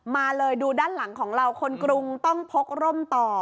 มาเลยดูด้านหลังของเราคนกรุงต้องพกร่มต่อ